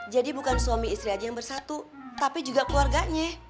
jadi bukan suami istri aja yang bersatu tapi juga keluarganya